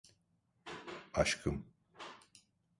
Aşkım.